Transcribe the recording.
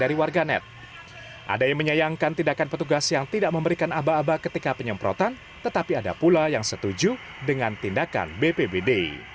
ada yang menyayangkan tindakan petugas yang tidak memberikan aba aba ketika penyemprotan tetapi ada pula yang setuju dengan tindakan bpbd